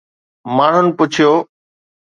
ماڻهن پڇيو